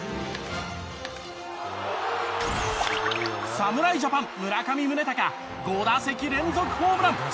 侍ジャパン村上宗隆５打席連続ホームラン！